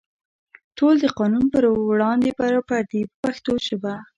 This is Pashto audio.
ټول د قانون په وړاندې برابر دي په پښتو ژبه.